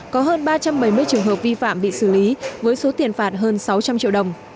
có hơn ba trăm bảy mươi trường hợp vi phạm bị xử lý với số tiền phạt hơn sáu trăm linh triệu đồng